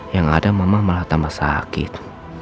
yang ada mama malah tambah sakit